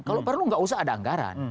kalau perlu nggak usah ada anggaran